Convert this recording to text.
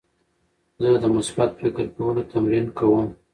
زه د مثبت فکر کولو تمرین کوم.